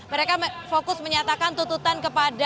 mereka fokus menyatakan tuntutan kepada